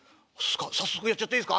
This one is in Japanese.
「早速やっちゃっていいっすか？